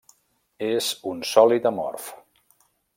És un sòlid amorf.